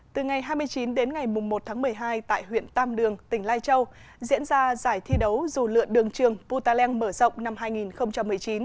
từ ngày hai mươi chín đến ngày một tháng một mươi hai tại huyện tam đường tỉnh lai châu diễn ra giải thi đấu dù lượn đường trường putaleng mở rộng năm hai nghìn một mươi chín